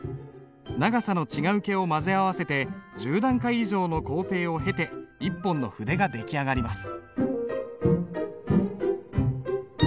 長さの違う毛を混ぜ合わせて１０段階以上の工程を経て一本の筆が出来上がります。